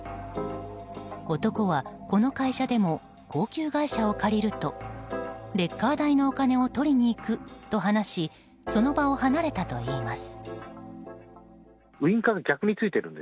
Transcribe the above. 男はこの会社でも高級外車を借りるとレッカー代のお金を取りに行くと話しその場を離れたといいます。